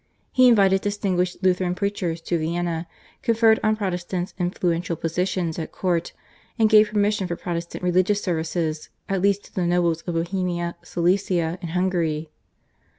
He invited distinguished Lutheran preachers to Vienna, conferred on Protestants influential positions at court, and gave permission for Protestant religious services at least to the nobles of Bohemia, Silesia, and Hungary.